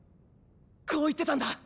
こう言ってたんだ。